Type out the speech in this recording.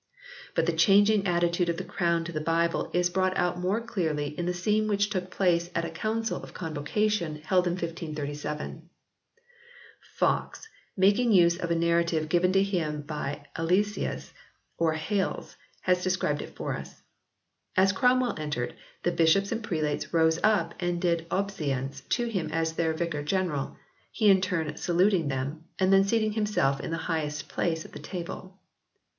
But the changing attitude of the Crown to the Bible is brought out more clearly in the scene which took place at a Council of Convocation held in 1537. Foxe, making use of a narrative given to him by Alesius, or Hales, has described it for us. As Cromwell entered, the bishops and prelates rose up and did obeisance to him as their Vicar General, he in turn saluting them, and then seating himself in the highest place at the table.